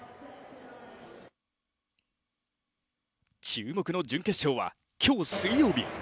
注目の準決勝は今日水曜日。